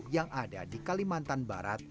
yang ada di kalimantan barat